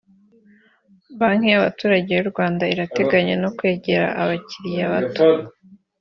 Banki y’abaturage y’u Rwanda irateganya no kwegera abakiliya bato